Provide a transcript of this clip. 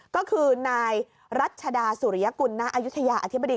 ก็คือนายรัชดาสุริยกุลณอายุทยาอธิบดี